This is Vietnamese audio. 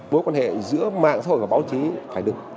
mối quan hệ giữa mạng xã hội và báo chí phải được